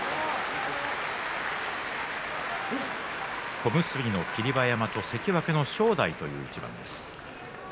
小結の霧馬山と関脇正代の一番です。